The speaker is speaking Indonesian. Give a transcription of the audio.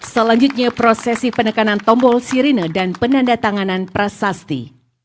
selanjutnya prosesi penekanan tombol sirine dan penanda tanganan prasasti